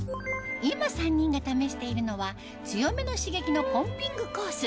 今３人が試しているのは強めの刺激のポンピングコース